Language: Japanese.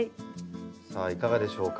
さあいかがでしょうか？